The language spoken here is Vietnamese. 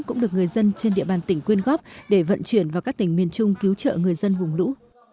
cũng được người dân trên địa bàn tỉnh quyên góp để vận chuyển vào các tỉnh miền trung cứu trợ người dân vùng lũ